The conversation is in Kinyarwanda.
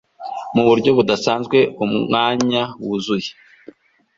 mu buryo budasanzwe Umwanya wuzuye